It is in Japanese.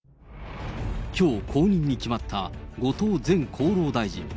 きょう、後任に決まった後藤前厚労大臣。